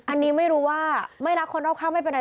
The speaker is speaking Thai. อันนี้ไม่รู้ว่าไม่รักคนรอบข้างไม่เป็นไร